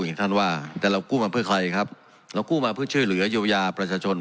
อย่างท่านว่าแต่เรากู้มาเพื่อใครครับเรากู้มาเพื่อช่วยเหลือเยียวยาประชาชน